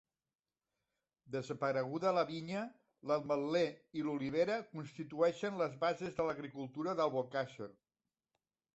Desapareguda la vinya, l'ametler i l'olivera constituïxen les bases de l'agricultura d'Albocàsser.